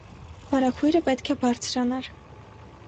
վարագույրը պետք է բարձրանար: